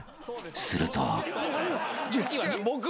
［すると］